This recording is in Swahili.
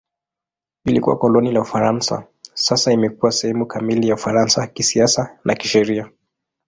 Ilikuwa koloni la Ufaransa; sasa imekuwa sehemu kamili ya Ufaransa kisiasa na kisheria.